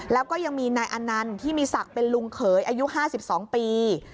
แล้วก็ยังมีนายอนันต์ที่มีศักดิ์เป็นลุงเขยอายุ๕๒ปี